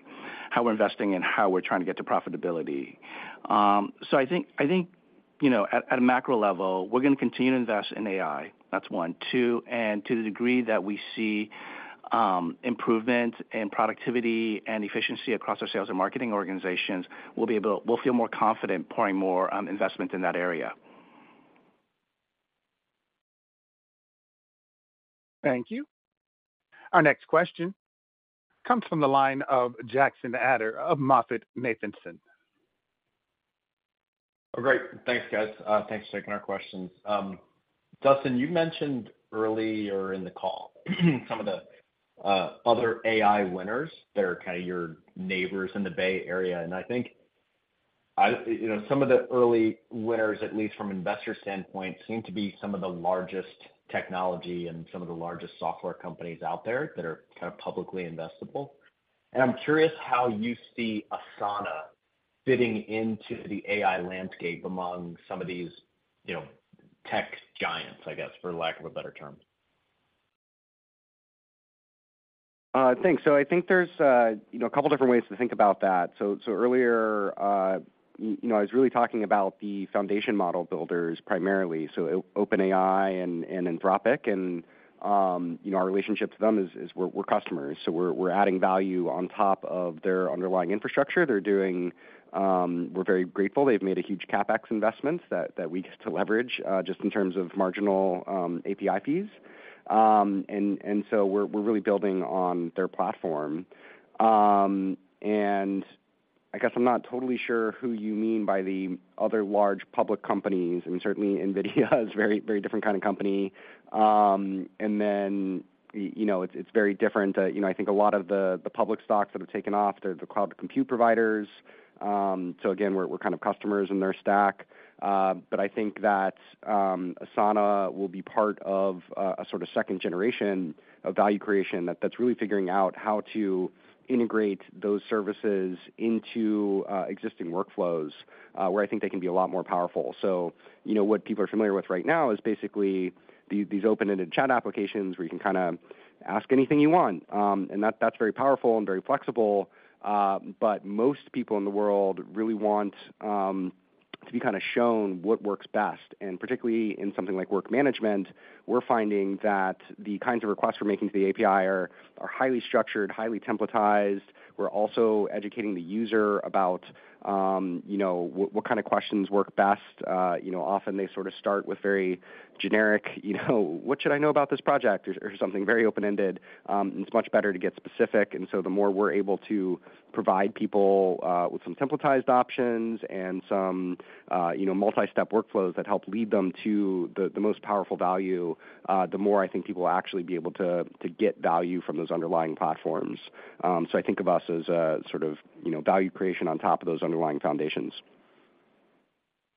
[SPEAKER 5] investing and how we're trying to get to profitability. So I think, I think, you know, at, at a macro level, we're gonna continue to invest in AI. That's one. Two, and to the degree that we see,... improvement in productivity and efficiency across our sales and marketing organizations, we'll feel more confident pouring more investment in that area.
[SPEAKER 1] Thank you. Our next question comes from the line of Jackson Ader of MoffettNathanson.
[SPEAKER 9] Great. Thanks, guys. Thanks for taking our questions. Dustin, you mentioned earlier in the call, some of the other AI winners that are kind of your neighbors in the Bay Area. And I think, you know, some of the early winners, at least from investor standpoint, seem to be some of the largest technology and some of the largest software companies out there that are kind of publicly investable. And I'm curious how you see Asana fitting into the AI landscape among some of these, you know, tech giants, I guess, for lack of a better term.
[SPEAKER 3] Thanks. So I think there's, you know, a couple different ways to think about that. So earlier, you know, I was really talking about the foundation model builders primarily, so OpenAI and Anthropic. And you know, our relationship to them is we're customers, so we're adding value on top of their underlying infrastructure. They're doing... We're very grateful. They've made a huge CapEx investment that we get to leverage, just in terms of marginal API fees. And so we're really building on their platform. And I guess I'm not totally sure who you mean by the other large public companies. I mean, certainly, Nvidia is a very, very different kind of company. And then, you know, it's very different. You know, I think a lot of the public stocks that have taken off, they're the cloud compute providers. So again, we're kind of customers in their stack. But I think that Asana will be part of a sort of second generation of value creation that's really figuring out how to integrate those services into existing workflows, where I think they can be a lot more powerful. So you know, what people are familiar with right now is basically these open-ended chat applications where you can kinda ask anything you want. And that's very powerful and very flexible, but most people in the world really want to be kinda shown what works best. Particularly in something like work management, we're finding that the kinds of requests we're making to the API are highly structured, highly templatized. We're also educating the user about, you know, what kind of questions work best. You know, often they sort of start with very generic, you know, "What should I know about this project?" or something very open-ended. It's much better to get specific, and so the more we're able to provide people with some templatized options and some, you know, multi-step workflows that help lead them to the most powerful value, the more I think people will actually be able to get value from those underlying platforms. So I think of us as a sort of, you know, value creation on top of those underlying foundations.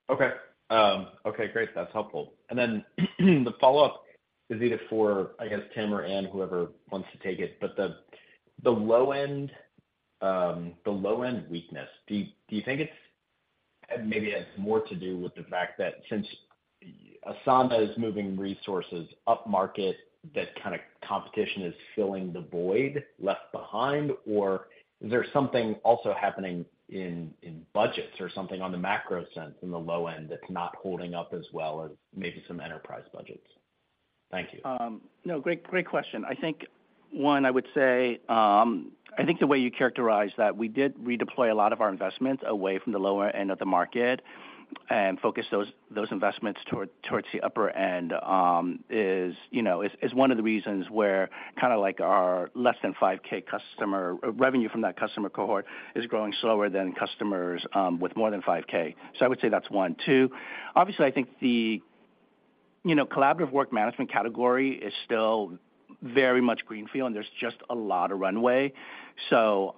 [SPEAKER 9] Okay. Okay, great. That's helpful. And then, the follow-up is either for, I guess, Tim or Anne, whoever wants to take it. But the low end, the low-end weakness, do you think it's maybe has more to do with the fact that since Asana is moving resources upmarket, that kind of competition is filling the void left behind? Or is there something also happening in budgets or something on the macro sense in the low end that's not holding up as well as maybe some enterprise budgets? Thank you.
[SPEAKER 3] No, great, great question. I think, one, I would say, I think the way you characterized that, we did redeploy a lot of our investments away from the lower end of the market and focus those, those investments toward, towards the upper end, is, you know, is, is one of the reasons where kind of like our less than $5K customer revenue from that customer cohort is growing slower than customers with more than $5K. So I would say that's one. Two, obviously, I think the, you know, collaborative work management category is still very much greenfield, and there's just a lot of runway. So,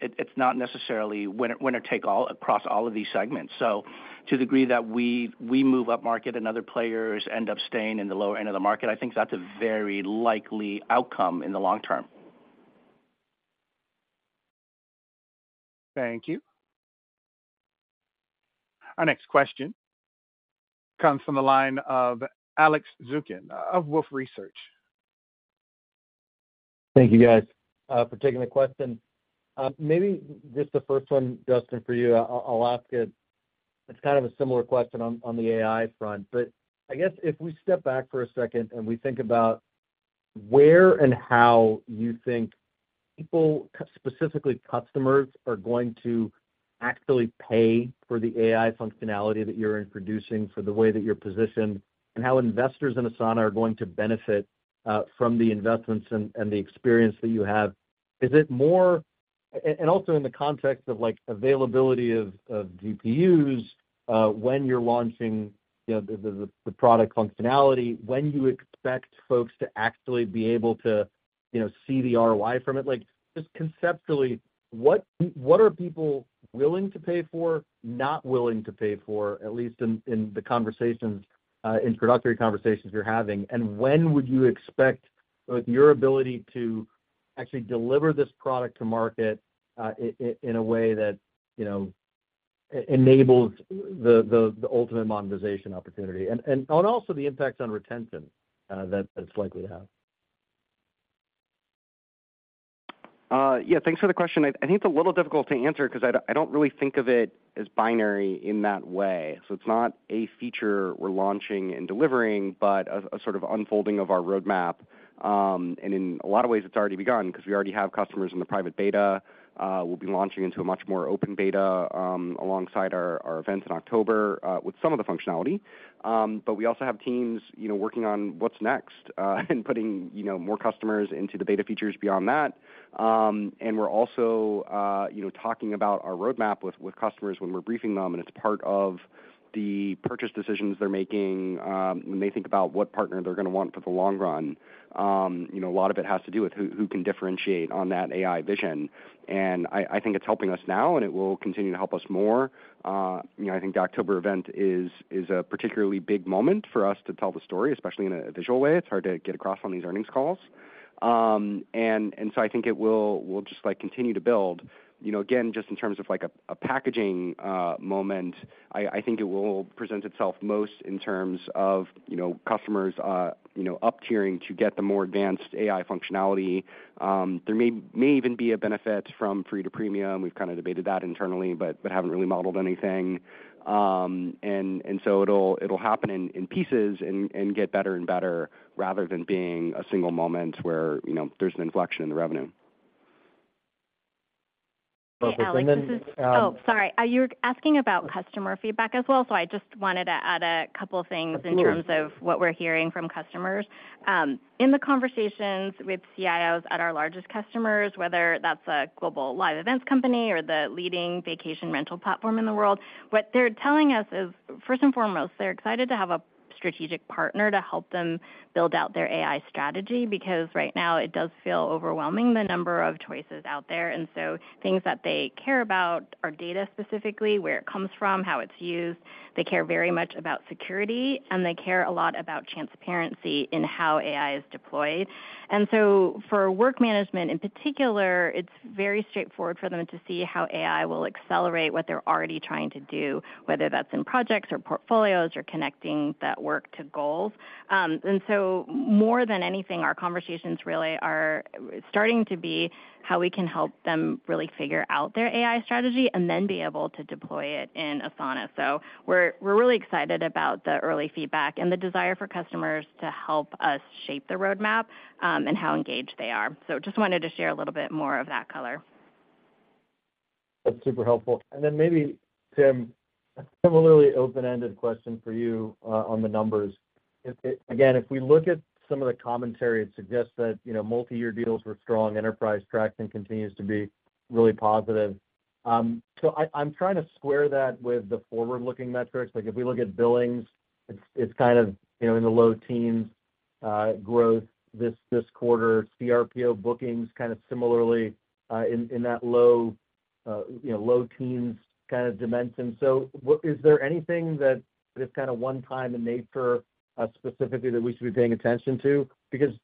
[SPEAKER 3] it's not necessarily winner, winner take all across all of these segments. So to the degree that we move upmarket and other players end up staying in the lower end of the market, I think that's a very likely outcome in the long term.
[SPEAKER 1] Thank you. Our next question comes from the line of Alex Zukin of Wolfe Research.
[SPEAKER 10] Thank you, guys, for taking the question. Maybe just the first one, Dustin, for you. I'll ask it. It's kind of a similar question on the AI front, but I guess if we step back for a second and we think about where and how you think people, specifically customers, are going to actually pay for the AI functionality that you're introducing, for the way that you're positioned, and how investors in Asana are going to benefit from the investments and the experience that you have, and also in the context of, like, availability of GPUs, when you're launching, you know, the product functionality, when you expect folks to actually be able to, you know, see the ROI from it? Like, just conceptually, what, what are people willing to pay for, not willing to pay for, at least in the conversations, introductory conversations you're having? And when would you expect, like, your ability to actually deliver this product to market, in a way that, you know, enables the ultimate monetization opportunity? And also the impact on retention that it's likely to have. ...
[SPEAKER 3] Yeah, thanks for the question. I think it's a little difficult to answer 'cause I don't really think of it as binary in that way. So it's not a feature we're launching and delivering, but a sort of unfolding of our roadmap. And in a lot of ways, it's already begun 'cause we already have customers in the private beta. We'll be launching into a much more open beta, alongside our events in October, with some of the functionality. But we also have teams, you know, working on what's next, and putting, you know, more customers into the beta features beyond that. And we're also, you know, talking about our roadmap with, with customers when we're briefing them, and it's part of the purchase decisions they're making, when they think about what partner they're gonna want for the long run. You know, a lot of it has to do with who, who can differentiate on that AI vision. And I, I think it's helping us now, and it will continue to help us more. You know, I think the October event is, is a particularly big moment for us to tell the story, especially in a visual way. It's hard to get across on these earnings calls. And so I think it will, will just, like, continue to build. You know, again, just in terms of, like, a packaging moment, I think it will present itself most in terms of, you know, customers, you know, up-tiering to get the more advanced AI functionality. There may even be a benefit from free to premium. We've kind of debated that internally, but haven't really modeled anything. And so it'll happen in pieces and get better and better, rather than being a single moment where, you know, there's an inflection in the revenue.
[SPEAKER 4] Hey, Alex, this is-
[SPEAKER 10] And then,
[SPEAKER 4] Oh, sorry. You were asking about customer feedback as well, so I just wanted to add a couple of things-
[SPEAKER 10] Of course...
[SPEAKER 4] in terms of what we're hearing from customers. In the conversations with CIOs at our largest customers, whether that's a global live events company or the leading vacation rental platform in the world, what they're telling us is, first and foremost, they're excited to have a strategic partner to help them build out their AI strategy, because right now it does feel overwhelming, the number of choices out there. And so things that they care about are data, specifically, where it comes from, how it's used. They care very much about security, and they care a lot about transparency in how AI is deployed. And so for work management, in particular, it's very straightforward for them to see how AI will accelerate what they're already trying to do, whether that's in projects or portfolios or connecting that work to goals. And so more than anything, our conversations really are starting to be how we can help them really figure out their AI strategy and then be able to deploy it in Asana. So we're really excited about the early feedback and the desire for customers to help us shape the roadmap, and how engaged they are. Just wanted to share a little bit more of that color.
[SPEAKER 10] That's super helpful. And then maybe, Tim, a similarly open-ended question for you, on the numbers. Again, if we look at some of the commentary, it suggests that, you know, multiyear deals were strong, enterprise traction continues to be really positive. So, I'm trying to square that with the forward-looking metrics. Like, if we look at billings, it's kind of, you know, in the low teens growth this quarter. CRPO bookings kind of similarly in that low teens kind of dimension. So, is there anything that is kind of one-time in nature, specifically, that we should be paying attention to? Because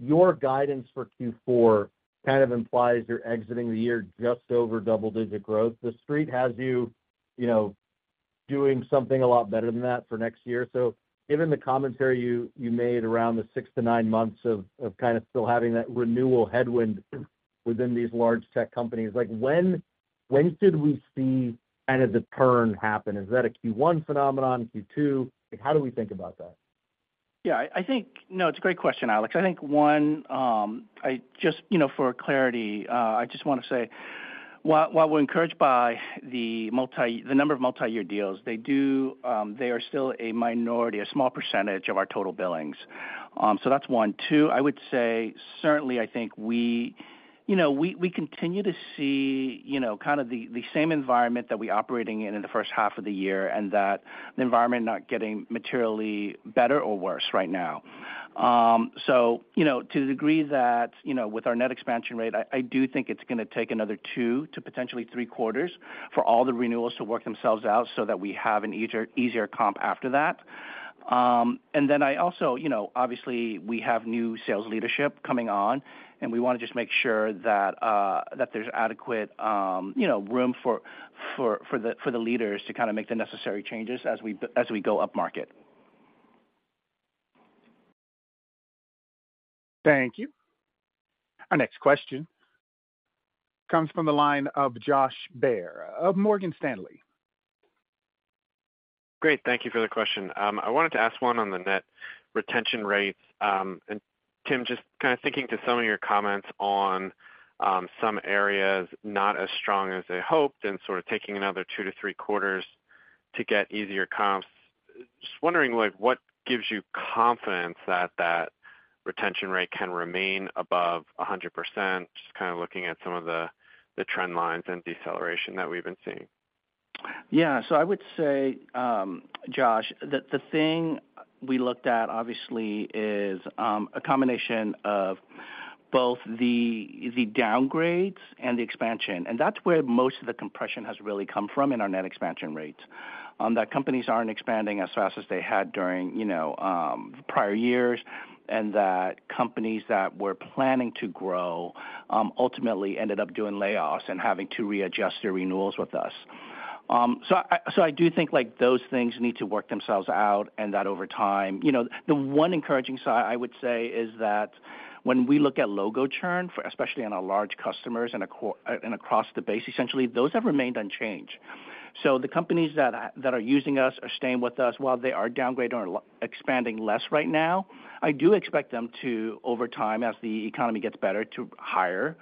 [SPEAKER 10] your guidance for Q4 kind of implies you're exiting the year just over double-digit growth. The Street has you, you know, doing something a lot better than that for next year. So given the commentary you made around the 6-9 months of kind of still having that renewal headwind within these large tech companies, like when should we see kind of the turn happen? Is that a Q1 phenomenon, Q2? How do we think about that?
[SPEAKER 3] Yeah, I think. No, it's a great question, Alex. I think, 1, I just, you know, for clarity, I just wanna say, while we're encouraged by the number of multiyear deals, they do, they are still a minority, a small percentage of our total billings. So that's 1. 2, I would say, certainly, I think we, you know, we continue to see, you know, kind of the same environment that we operating in in the first half of the year, and that the environment not getting materially better or worse right now. So, you know, to the degree that, you know, with our net expansion rate, I do think it's gonna take another 2 to potentially 3 quarters for all the renewals to work themselves out so that we have an easier, easier comp after that. And then I also, you know, obviously, we have new sales leadership coming on, and we wanna just make sure that there's adequate, you know, room for the leaders to kind of make the necessary changes as we go upmarket.
[SPEAKER 1] Thank you. Our next question comes from the line of Josh Baer of Morgan Stanley.
[SPEAKER 11] Great, thank you for the question. I wanted to ask one on the net retention rates. And Tim, just kind of thinking to some of your comments on, some areas not as strong as they hoped and sort of taking another 2-3 quarters to get easier comps, just wondering, like, what gives you confidence that that retention rate can remain above 100%? Just kind of looking at some of the trend lines and deceleration that we've been seeing.
[SPEAKER 3] Yeah. So I would say, Josh, that the thing we looked at, obviously, is a combination of both the, the downgrades and the expansion, and that's where most of the compression has really come from in our net expansion rates. That companies aren't expanding as fast as they had during, you know, prior years, and that companies that were planning to grow, ultimately ended up doing layoffs and having to readjust their renewals with us. ...
[SPEAKER 5] So I do think like those things need to work themselves out and that over time. You know, the one encouraging side, I would say, is that when we look at logo churn, for especially on our large customers and across the base, essentially, those have remained unchanged. So the companies that are using us are staying with us. While they are downgrading or expanding less right now, I do expect them to, over time, as the economy gets better, to hire,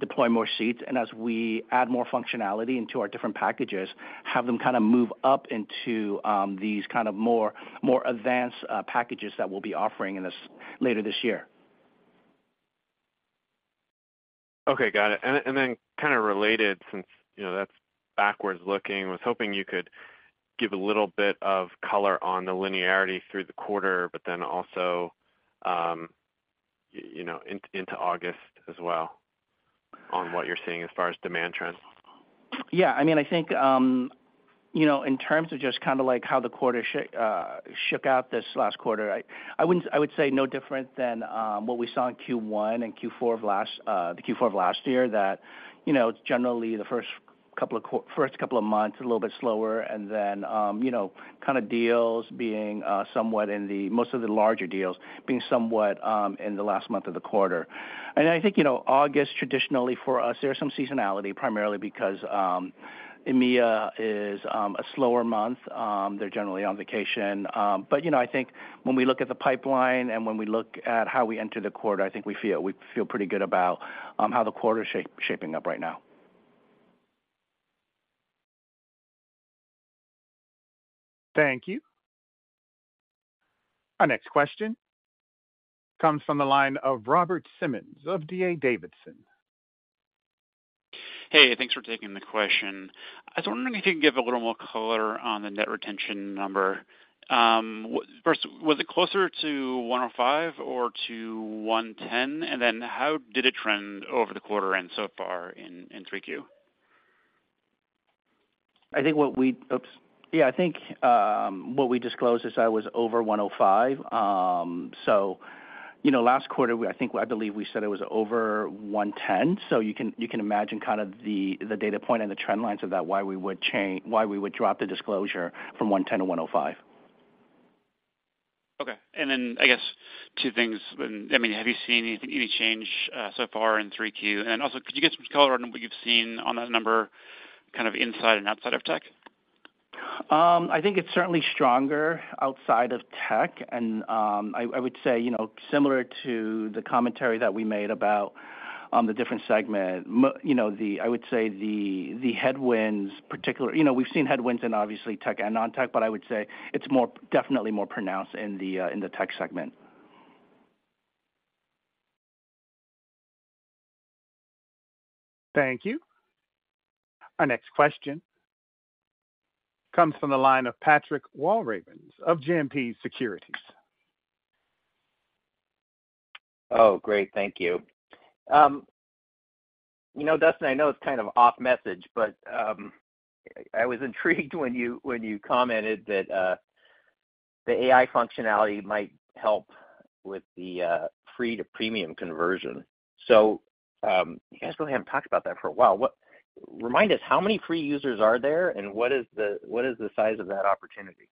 [SPEAKER 5] deploy more seats, and as we add more functionality into our different packages, have them kind of move up into these kind of more advanced packages that we'll be offering later this year.
[SPEAKER 3] Okay, got it. And then kind of related, since, you know, that's backwards looking, I was hoping you could give a little bit of color on the linearity through the quarter, but then also, you know, into August as well, on what you're seeing as far as demand trends.
[SPEAKER 5] Yeah, I mean, I think, you know, in terms of just kind of like how the quarter shook out this last quarter, I wouldn't—I would say no different than what we saw in Q1 and Q4 of last, the Q4 of last year, that, you know, generally the first couple of months, a little bit slower, and then, you know, kind of deals being somewhat in the... most of the larger deals being somewhat in the last month of the quarter. And I think, you know, August, traditionally for us, there's some seasonality, primarily because EMEA is a slower month. They're generally on vacation. But, you know, I think when we look at the pipeline and when we look at how we enter the quarter, I think we feel, we feel pretty good about how the quarter is shaping up right now.
[SPEAKER 1] Thank you. Our next question comes from the line of Robert Simmons of D.A. Davidson.
[SPEAKER 12] Hey, thanks for taking the question. I was wondering if you could give a little more color on the net retention number. First, was it closer to 105 or to 110? And then how did it trend over the quarter and so far in 3Q?
[SPEAKER 5] I think what we disclosed is that it was over 105. So, you know, last quarter, we, I think, I believe we said it was over 110. So you can, you can imagine kind of the, the data point and the trend lines of that, why we would change- why we would drop the disclosure from 110 to 105.
[SPEAKER 12] Okay. And then, I guess two things. I mean, have you seen anything, any change so far in 3Q? And also, could you give some color on what you've seen on that number, kind of inside and outside of tech?
[SPEAKER 5] I think it's certainly stronger outside of tech. And I would say, you know, similar to the commentary that we made about the different segment, you know, the headwinds, you know, we've seen headwinds in obviously tech and non-tech, but I would say it's more, definitely more pronounced in the tech segment.
[SPEAKER 1] Thank you. Our next question comes from the line of Patrick Walravens of JMP Securities.
[SPEAKER 13] Oh, great. Thank you. You know, Dustin, I know it's kind of off message, but I was intrigued when you commented that the AI functionality might help with the free to premium conversion. So, you guys really haven't talked about that for a while. What? Remind us, how many free users are there, and what is the size of that opportunity?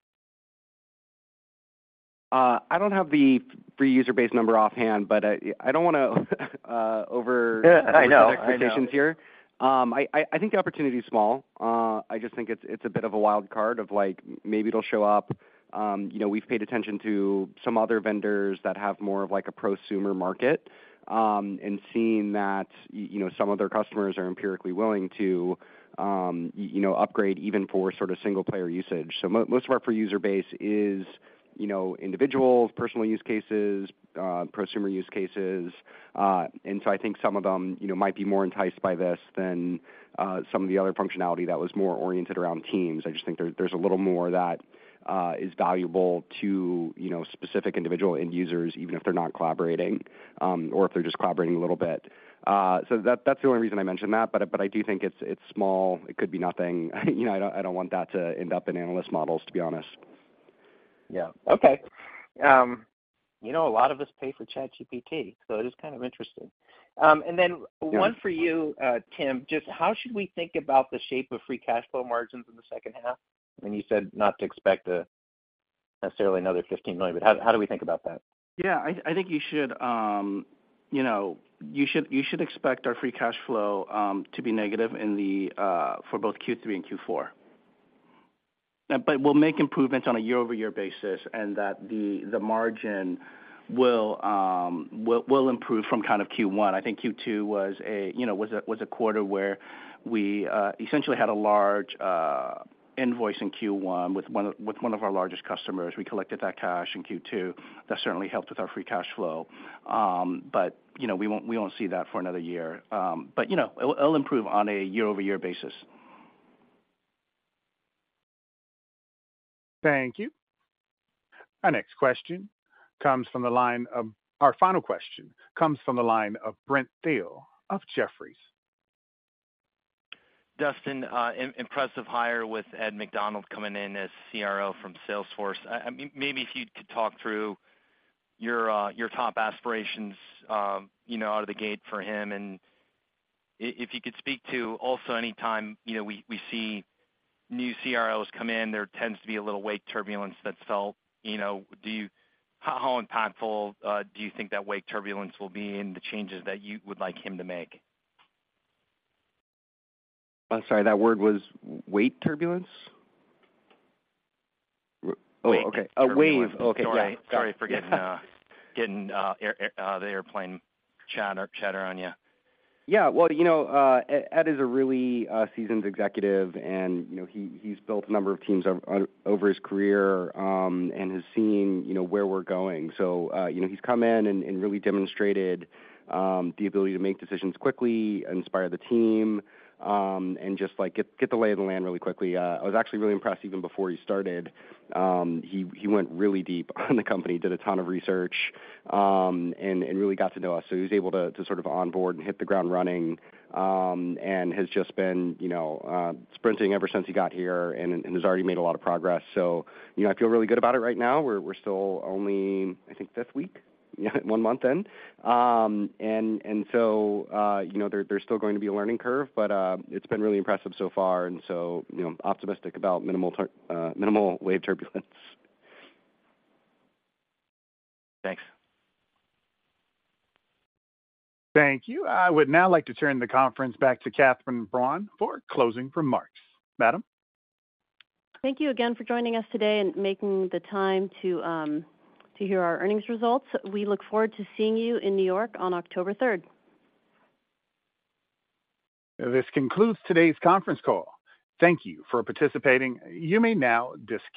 [SPEAKER 3] I don't have the free user base number offhand, but, I don't want to, over-
[SPEAKER 13] Yeah, I know. I know.
[SPEAKER 3] Expectations here. I think the opportunity is small. I just think it's a bit of a wild card of, like, maybe it'll show up. You know, we've paid attention to some other vendors that have more of, like, a prosumer market, and seen that, you know, some of their customers are empirically willing to, you know, upgrade even for sort of single player usage. So most of our free user base is, you know, individuals, personal use cases, prosumer use cases, and so I think some of them, you know, might be more enticed by this than some of the other functionality that was more oriented around teams. I just think there's a little more that is valuable to, you know, specific individual end users, even if they're not collaborating, or if they're just collaborating a little bit. So that, that's the only reason I mentioned that, but I do think it's small. It could be nothing. You know, I don't want that to end up in analyst models, to be honest.
[SPEAKER 13] Yeah. Okay. You know, a lot of us pay for ChatGPT, so it is kind of interesting. And then one for you, Tim, just how should we think about the shape of free cash flow margins in the second half? I mean, you said not to expect a necessarily another $15 million, but how do we think about that?
[SPEAKER 5] Yeah, I think you know, you should expect our Free Cash Flow to be negative for both Q3 and Q4. But we'll make improvements on a year-over-year basis, and the margin will improve from kind of Q1. I think Q2 was a quarter where we essentially had a large invoice in Q1 with one of our largest customers. We collected that cash in Q2. That certainly helped with our Free Cash Flow. But you know, we won't see that for another year. But you know, it'll improve on a year-over-year basis.
[SPEAKER 1] Thank you. Our final question comes from the line of Brent Thill of Jefferies.
[SPEAKER 14] Dustin, impressive hire with Ed McDonnell coming in as CRO from Salesforce. I mean, maybe if you could talk through your top aspirations, you know, out of the gate for him? And if you could speak to also, anytime, you know, we see new CROs come in, there tends to be a little wake turbulence that's felt, you know, how impactful do you think that wake turbulence will be in the changes that you would like him to make?
[SPEAKER 3] I'm sorry, that word was weight turbulence? Oh, okay.
[SPEAKER 14] A wake.
[SPEAKER 3] A wake. Okay, got it.
[SPEAKER 14] Sorry for getting the airplane chatter on you.
[SPEAKER 3] Yeah. Well, you know, Ed is a really seasoned executive and, you know, he, he's built a number of teams over his career and has seen, you know, where we're going. So, you know, he's come in and really demonstrated the ability to make decisions quickly, inspire the team and just, like, get the lay of the land really quickly. I was actually really impressed even before he started. He went really deep on the company, did a ton of research and really got to know us. So he was able to sort of onboard and hit the ground running and has just been, you know, sprinting ever since he got here and has already made a lot of progress. So, you know, I feel really good about it right now. We're still only, I think, fifth week? Yeah, one month in. And so, you know, there's still going to be a learning curve, but it's been really impressive so far, and so, you know, optimistic about minimal wake turbulence.
[SPEAKER 14] Thanks.
[SPEAKER 1] Thank you. I would now like to turn the conference back to Catherine Buan for closing remarks. Madam?
[SPEAKER 2] Thank you again for joining us today and making the time to, to hear our earnings results. We look forward to seeing you in New York on October third.
[SPEAKER 1] This concludes today's conference call. Thank you for participating. You may now disconnect.